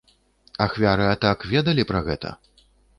Ахвяры атак ведалі пра гэта?